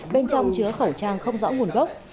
bên trong chứa khẩu trang không rõ nguồn gốc